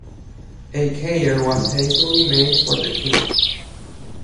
A cairn was hastily made for the king.